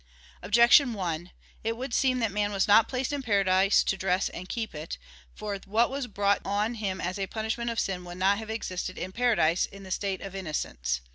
Objection 1: It would seem that man was not placed in paradise to dress and keep it. For what was brought on him as a punishment of sin would not have existed in paradise in the state of innocence.